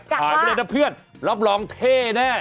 ถ่ายไปเลยนะเพื่อนรับรองเท่แน่